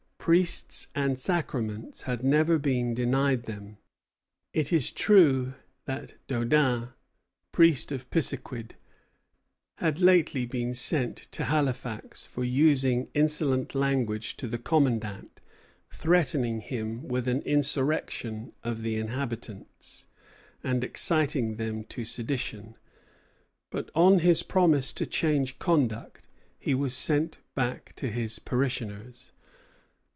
Priests and sacraments had never been denied them. It is true that Daudin, priest of Pisiquid, had lately been sent to Halifax for using insolent language to the commandant, threatening him with an insurrection of the inhabitants, and exciting them to sedition; but on his promise to change conduct, he was sent back to his parishioners.